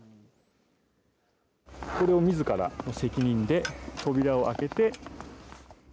これをみずからの責任で扉を開けて。